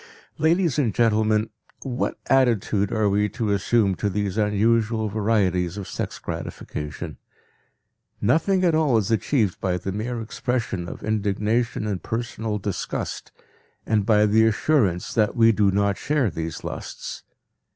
Ladies and gentlemen, what attitude are we to assume to these unusual varieties of sex gratification? Nothing at all is achieved by the mere expression of indignation and personal disgust and by the assurance that we do not share these lusts.